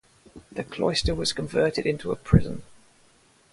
The cloister was converted into a prison.